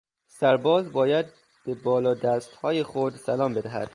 سرباز باید به بالادستهای خود سلام بدهد.